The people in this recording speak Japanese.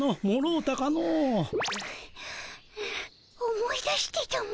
思い出してたも。